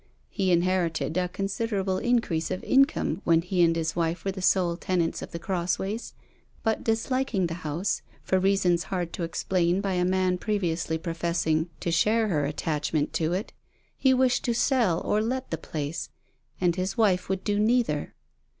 He inherited a considerable increase of income when he and his wife were the sole tenants of The Crossways, but disliking the house, for reasons hard to explain by a man previously professing to share her attachment to it, he wished to sell or let the place, and his wife would do neither.